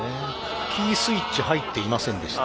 「キースイッチ入っていませんでした」。